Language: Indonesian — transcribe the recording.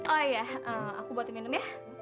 oh iya aku bawa teman minum ya